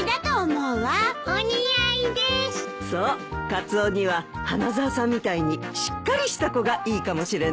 カツオには花沢さんみたいにしっかりした子がいいかもしれないね。